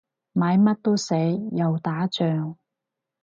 買乜都死，又打仗